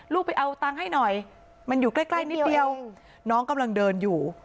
ไปเอาตังค์ให้หน่อยมันอยู่ใกล้ใกล้นิดเดียวน้องกำลังเดินอยู่